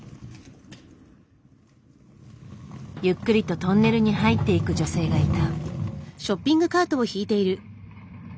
ゆっくりとトンネルに入っていく女性がいた。